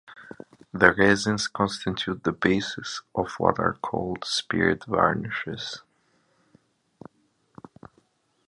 These resins constitute the basis of what are called spirit varnishes.